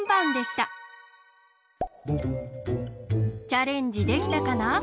チャレンジできたかな？